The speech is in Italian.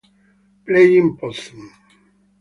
Playing Possum